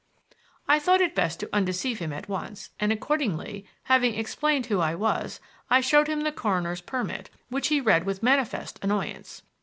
I thought it best to undeceive him at once, and accordingly, having explained who I was, I showed him the coroner's permit, which he read with manifest annoyance.